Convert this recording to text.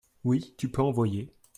oui tu peux envoyer.